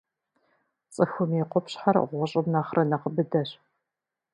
Цӏыхум и къупщхьэр гъущӀым нэхърэ нэхъ быдэщ.